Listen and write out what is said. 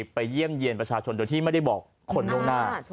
เยี่ยมเยี่ยนประชาชนโดยที่ไม่ได้บอกคนล่วงหน้า